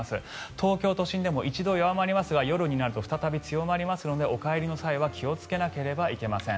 東京都心でも一度弱まりますが夜になると再び強まりますのでお帰りの際は気をつけなければいけません。